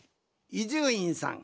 伊集院さん